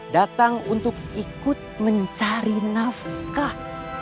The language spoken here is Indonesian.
datang untuk ikut mencari nafkah